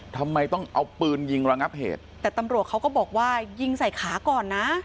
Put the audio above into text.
ทำไมต้องเอาปืนยิงระงับเหตุแต่ตำรวจเขาก็บอกว่ายิงใส่ขาก่อนนะ